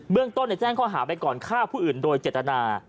เรื่องต้นแจ้งข้อหาไปก่อนฆ่าผู้อื่นโดยเจตนา